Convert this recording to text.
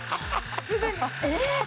すでにえーっ！